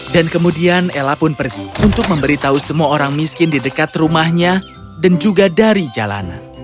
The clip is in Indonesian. dan kemudian ella pun pergi untuk memberitahu semua orang miskin di dekat rumahnya dan juga dari jalanan